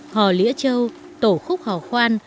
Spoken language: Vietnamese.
hò lĩa trâu tổ khúc hò khoan